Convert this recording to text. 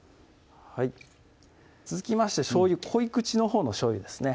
続きましてしょうゆ濃い口のほうのしょうゆですね